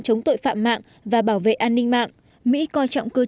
chống tội phạm mạng và bảo vệ an ninh mạng